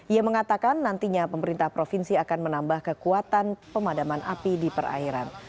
ia mengatakan nantinya pemerintah provinsi akan menambah kekuatan pemadaman api di perairan